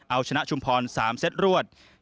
เอาชนะชุมพร๓เซตรวด